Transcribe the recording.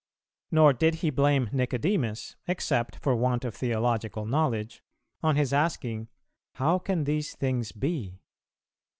Nor did He blame Nicodemus, except for want of theological knowledge, on his asking "How can these things be?"